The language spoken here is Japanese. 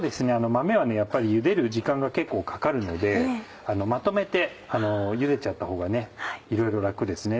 豆はゆでる時間が結構かかるのでまとめてゆでちゃったほうがいろいろ楽ですね。